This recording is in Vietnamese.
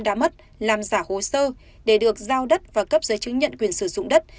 đã mất làm giả hồ sơ để được giao đất và cấp giấy chứng nhận quyền sử dụng đất